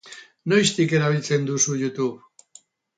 Noiztik erabiltzen duzu Youtube?